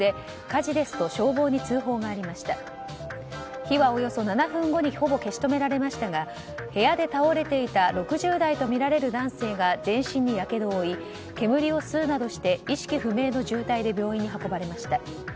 火はおよそ７分後にほぼ消し止められましたが部屋で倒れていた６０代とみられる男性が全身にやけどを負い煙を吸うなどして意識不明の重体で病院に運ばれました。